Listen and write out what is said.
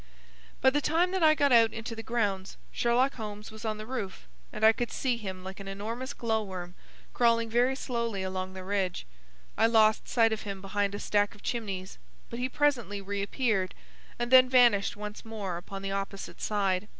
By the time that I got out into the grounds Sherlock Holmes was on the roof, and I could see him like an enormous glow worm crawling very slowly along the ridge. I lost sight of him behind a stack of chimneys, but he presently reappeared, and then vanished once more upon the opposite side.